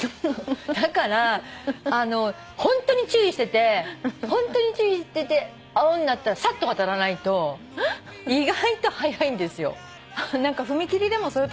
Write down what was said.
だからホントに注意してて青になったらさっと渡らないと意外と早いんですよ。